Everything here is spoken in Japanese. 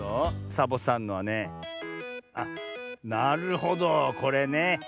サボさんのはねあっなるほどこれね。